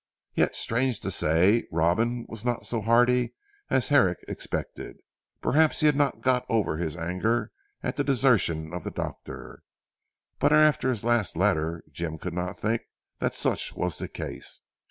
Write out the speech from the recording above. Yet strange to say, Robin was not so hearty as Herrick expected. Perhaps he had not got over his anger at the desertion of the doctor; but after his last letter Jim could not think that such was the case.